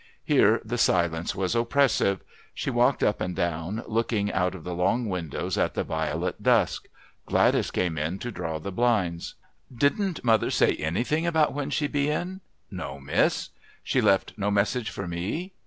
Here the silence was oppressive. She walked up and down, looking out of the long windows at the violet dusk. Gladys came in to draw the blinds. "Didn't mother say anything about when she'd be in?" "No, miss." "She left no message for me?"